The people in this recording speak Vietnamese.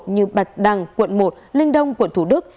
như bạch đằng quận một linh đông quận thủ đức